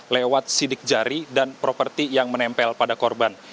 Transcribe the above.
lewat sidik jari dan properti yang menempel pada korban